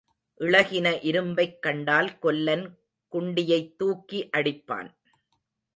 இளகின இரும்பைக் கண்டால் கொல்லன் குண்டியைத் தூக்கி அடிப்பான்.